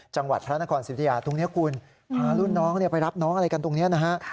จังหวัดพระนครสิทธิภัยทุกเนี่ยคุณพารุ่นน้องเนี่ยไปรับน้องอะไรกันตรงเนี่ยนะฮะ